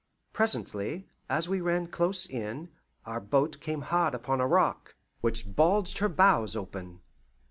Presently, as we ran close in, our boat came hard upon a rock, which bulged her bows open.